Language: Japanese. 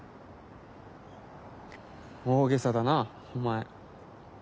大げさだなお前。